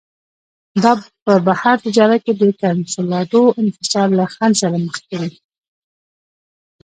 دا په بهر تجارت کې د کنسولاډو انحصار له خنډ سره مخ کړي.